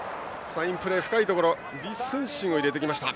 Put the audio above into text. サインプレー深いところ李承信を入れてきました。